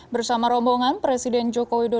bersama rombongan presiden joko widodo